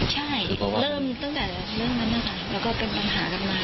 ใช่เริ่มตั้งแต่เรื่องนั้นนะคะแล้วก็เป็นปัญหากันมา